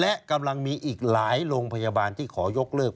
และกำลังมีอีกหลายโรงพยาบาลที่ขอยกเลิก